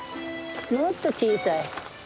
もっと小さい。